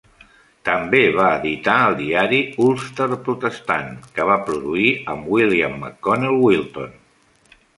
També va editar el diari "Ulster protestant", que va produir amb William McConnell Wilton.